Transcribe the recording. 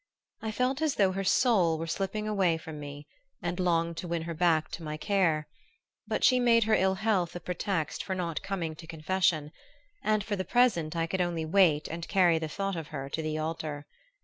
I felt as though her soul were slipping away from me, and longed to win her back to my care; but she made her ill health a pretext for not coming to confession, and for the present I could only wait and carry the thought of her to the altar.